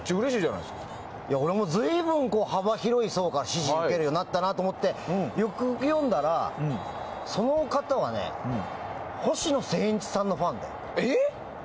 いや、俺も随分幅広い層から支持を受けるようになったなと思ってよくよく読んだら、その方はね星野仙一さんのファンで。